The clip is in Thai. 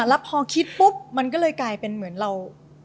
แล้วพอคิดปุ๊บมันก็เลยกลายเป็นเหมือนเรา